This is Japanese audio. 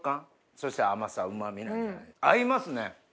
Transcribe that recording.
そして甘さうまみ合いますね！